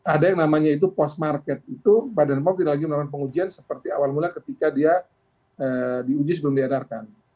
ada yang namanya itu post market itu badan pom tidak lagi melakukan pengujian seperti awal mula ketika dia diuji sebelum diedarkan